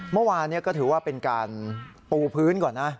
เมื่อวานนี้ก็ถือว่าเป็นการปูพื้นก่อนนะ